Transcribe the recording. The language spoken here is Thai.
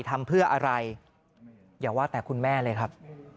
ทำเพื่ออะไรอย่าว่าแต่คุณแม่เลยครับ